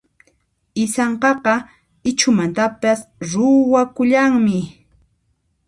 Isankaqa Ichhumantapis ruwakullanmi.